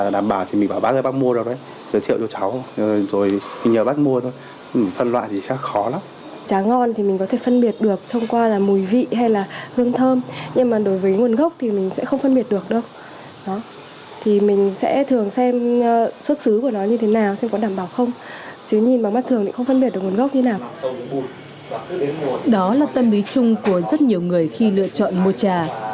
đó là tâm lý chung của rất nhiều người khi lựa chọn mua trà